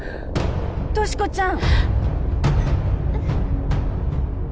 俊子ちゃん